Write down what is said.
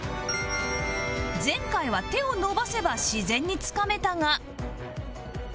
前回は手を伸ばせば自然につかめたが